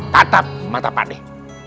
tatap mata pak dek